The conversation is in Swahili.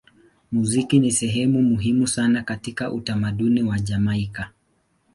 Muziki ni sehemu muhimu sana katika utamaduni wa Jamaika.